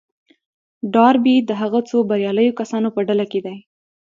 ډاربي د هغو څو برياليو کسانو په ډله کې دی.